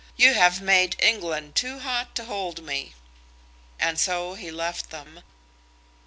You have made England too hot to hold me." And so he left them.